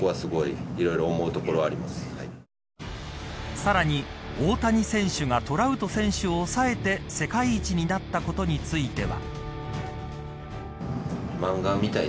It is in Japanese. さらに、大谷選手がトラウト選手を抑えて世界一になったことについては。